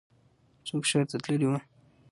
څوک ښار ته تللی و؟